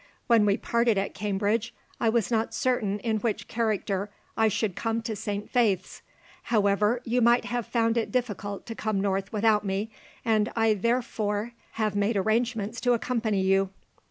"When we parted at Cambridge, I was not certain in which character I should come to Saint Faith's. However, you might have found it difficult to come north without me, and I therefore have made arrangements to accompany you."